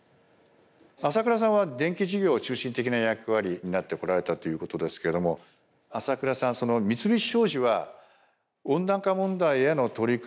朝倉さんは電気事業を中心的な役割担ってこられたということですけれども朝倉さん三菱商事は温暖化問題への取り組み